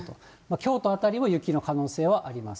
京都辺りも雪の可能性はあります。